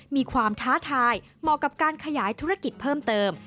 มีความท้าทายเหมาะกับการขยายธุรกิจเพิ่มเติม